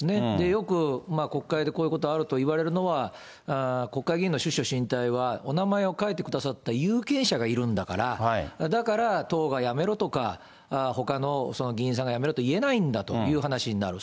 よく国会でこういうことあると言われるのは、国会議員の出処進退は、お名前を書いてくださった有権者がいるんだから、だから党が辞めろとか、ほかの議員さんがやめろと言えないんだという話になる。